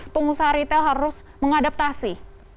pengusaha ritel harus mengadaptasi